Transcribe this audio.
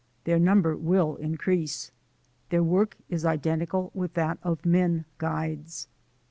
Their number will increase. Their work is identical with that of men guides.